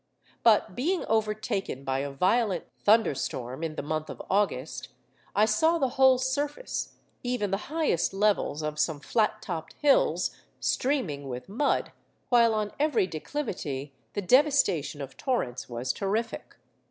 But being overtaken by a violent thunderstorm in the month of August, I saw the whole surface, even the highest levels of some flat topped hills, streaming with mud, while on every declivity the devastation of torrents was terrific.